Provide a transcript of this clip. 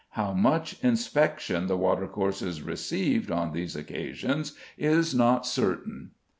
How much inspection the watercourses received on these occasions is not certain.